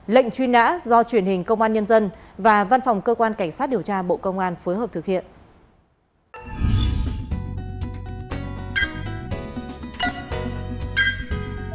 lệnh truy nã do truyền hình công an nhân dân và văn phòng cơ quan cảnh sát điều tra bộ công an phối hợp thực hiện